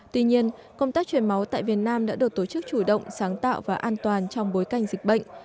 tuy nhiên công tác chuyển máu tại việt nam đã được tổ chức chủ động sáng tạo và an toàn trong bối cảnh dịch bệnh